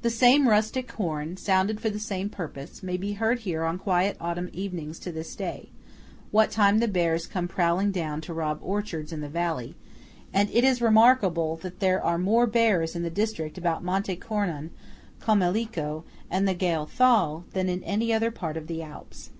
The same rustic horn, sounded for the same purpose, may be heard here on quiet autumn evenings to this day, what time the bears come prowling down to rob orchards in the valley; and it is remarkable that there are more bears in the district about Monte Cornon, Comelico, and the Gail Thal, than in other part of the Alps.